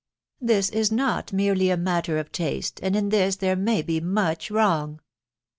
... This is not merely a matter of taste, and in this there may be much wrong."